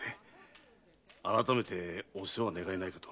改めてお世話願えないかと。